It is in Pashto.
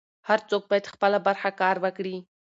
هر څوک بايد خپله برخه کار وکړي.